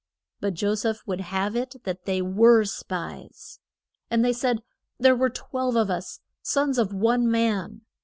But Jo seph would have it that they were spies. And they said, There were twelve of us, sons of one man.